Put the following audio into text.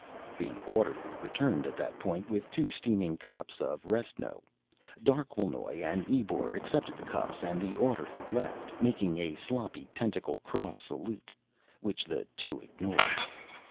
The orderly returned at that point, with two steaming cups of restno. Darquelnoy and Ebor accepted the cups and the orderly left, making a sloppy tentacle cross salute, which the two ignored.